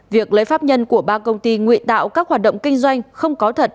việc lấy pháp nhân của ba công ty nguy tạo các hoạt động kinh doanh không có thật